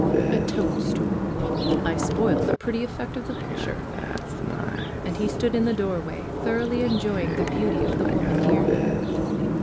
'' '^A toad stool! I spoil the pretty effect of the pic ture.^' And he stood in the doorway, thoroughly en joying the beauty of the woman near him.